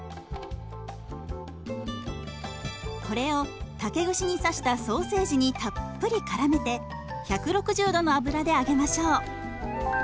これを竹串に刺したソーセージにたっぷりからめて１６０度の油で揚げましょう。